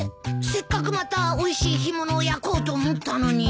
せっかくまたおいしい干物を焼こうと思ったのに。